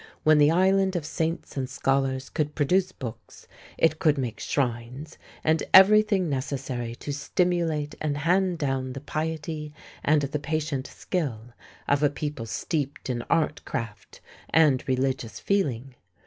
When the Island of Saints and Scholars could produce books, it could make shrines and everything necessary to stimulate and hand down the piety and the patient skill of a people steeped in art craft and religious feeling.